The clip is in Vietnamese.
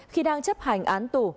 khi đang chấp hành án tù